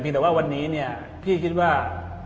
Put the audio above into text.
เพียงแต่ว่าวันนี้พี่คิดว่า